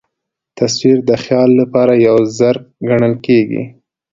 تصویر د خیال له پاره یو ظرف ګڼل کېږي.